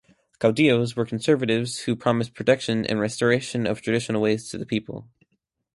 "Caudillos" were conservatives who promised protection and restoration of traditional ways to the people.